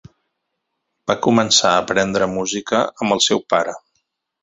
Va començar a aprendre música amb el seu pare.